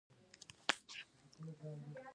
ازادي راډیو د اټومي انرژي بدلونونه څارلي.